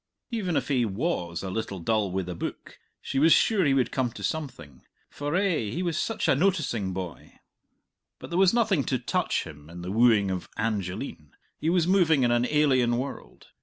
Even if he was a little dull wi' the book, she was sure he would come to something, for, eh, he was such a noticing boy. But there was nothing to touch him in "The Wooing of Angeline;" he was moving in an alien world.